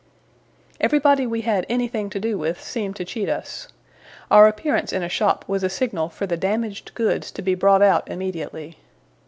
Everybody we had anything to do with seemed to cheat us. Our appearance in a shop was a signal for the damaged goods to be brought out immediately.